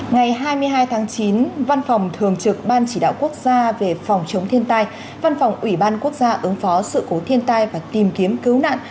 ngày hai mươi hai tháng chín văn phòng thường trực ban chỉ đạo quốc gia về phòng chống thiên tai văn phòng ủy ban quốc gia ứng phó sự cố thiên tai và tìm kiếm cứu nạn